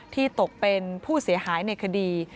ตกเป็นผู้เสียหายในคดี